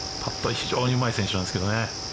非常にうまい選手なんですけどね。